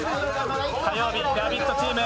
火曜日「ラヴィット！」チーム。